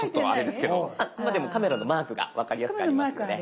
でもカメラのマークが分かりやすくありますよね？